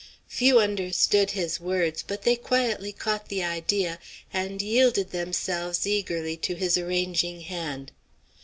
Few understood his words, but they quietly caught the idea, and yielded themselves eagerly to his arranging hand.